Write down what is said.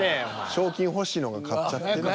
賞金欲しいのが勝っちゃってるんすか。